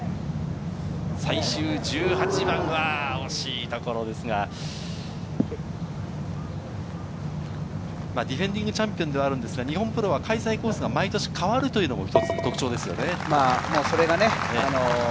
最終１８番は惜しいところですが、ディフェンディングチャンピオンではあるのですが日本プロは開催コースが毎回変わるというのが特徴です。